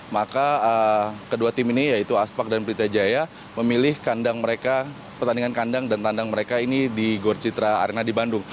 maka kedua tim ini yaitu aspak dan pelita jaya memilih kandang mereka pertandingan kandang dan tandang mereka ini di gor citra arena di bandung